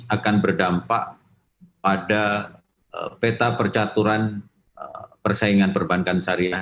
akan berdampak pada peta percaturan persaingan perbankan syariah